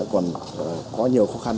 còn có nhiều khó khăn